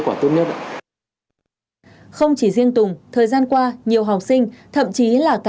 quả tốt nhất không chỉ riêng tùng thời gian qua nhiều học sinh thậm chí là học sinh lớp chín đã